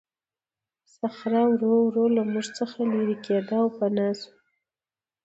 صخره ورو ورو له موږ څخه لیرې کېده او پناه شوه.